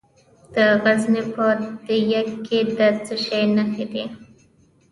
د غزني په ده یک کې د څه شي نښې دي؟